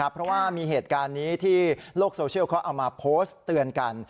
เพราะว่ามีเหตุการณ์นี้ที่โลกโซเชียลเขาเอามาโพสต์เตือนกัน